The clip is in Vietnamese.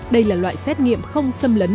đây là loại xét nghiệm không xâm lấn